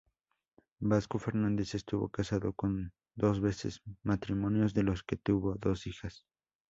Vasco Fernandes estuvo casado dos veces, matrimonios de los que tuvo dos hijas.